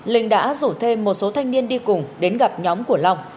linh đã rủ thêm một số thanh niên đi cùng đến gặp nhóm của long